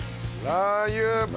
ラー油。